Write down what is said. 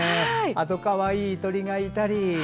あと、かわいい鳥がいたり。